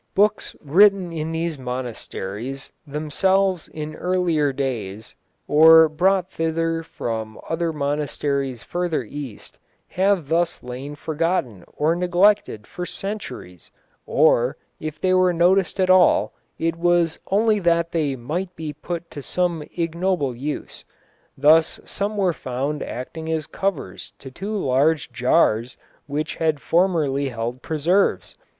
Books written in these monasteries themselves in earlier days, or brought thither from other monasteries further east, have thus lain forgotten or neglected for centuries, or, if they were noticed at all, it was only that they might be put to some ignoble use. Thus some were found acting as covers to two large jars which had formerly held preserves.